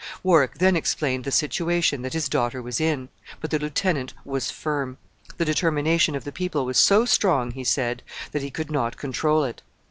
Warwick then explained the situation that his daughter was in; but the lieutenant was firm. The determination of the people was so strong, he said, that he could not control it.